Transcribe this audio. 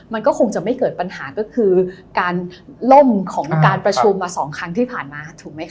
มันก็คงจะไม่เกิดปัญหาก็คือการล่มของการประชุมมา๒ครั้งที่ผ่านมาถูกไหมค